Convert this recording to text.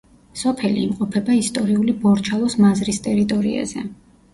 სოფელი იმყოფება ისტორიული ბორჩალოს მაზრის ტერიტორიაზე.